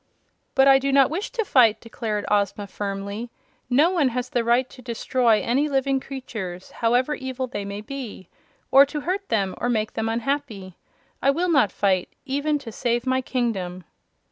"But I do not wish to fight," declared Ozma, firmly. "No one has the right to destroy any living creatures, however evil they may be, or to hurt them or make them unhappy. I will not fight, even to save my kingdom."